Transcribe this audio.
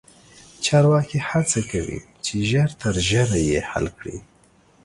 چارواکي هڅه کوي چې ژر تر ژره یې حل کړي.